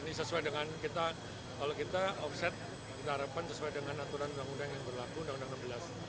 ini sesuai dengan kita kalau kita offset kita harapkan sesuai dengan aturan undang undang yang berlaku undang undang enam belas